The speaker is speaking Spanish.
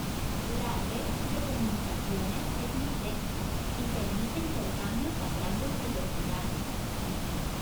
La red de comunicaciones es muy densa y permite intercambios a grandes velocidades.